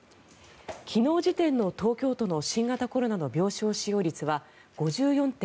昨日時点の東京都の新型コロナの病床使用率は５４．２％